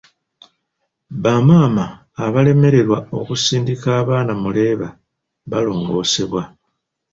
Bamaama abalemererwa okusindika abaana mu leeba balongosebwa.